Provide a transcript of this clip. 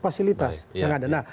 fasilitas yang ada